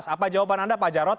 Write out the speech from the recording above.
apa jawaban anda pak jarod